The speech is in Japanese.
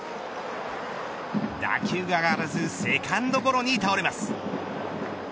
打球が上がらずセカンドゴロに倒れます。